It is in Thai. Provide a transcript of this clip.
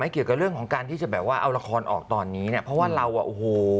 เกี่ยวกับเรื่องของการที่จะแบบว่าเอาละครออกตอนนี้เนี่ยเพราะว่าเราอ่ะโอ้โห